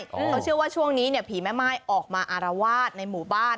เขาเชื่อว่าช่วงนี้เนี่ยผีแม่ม่ายออกมาอารวาสในหมู่บ้าน